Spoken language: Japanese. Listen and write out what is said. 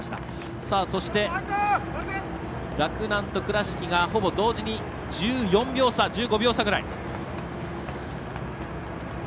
そして、洛南と倉敷がほぼ同時に１５秒差ぐらい。